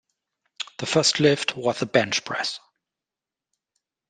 The first lift was the Bench Press.